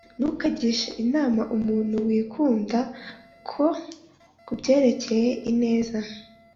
ntukagishe inama umuntu wikunda ku byerekeye ineza,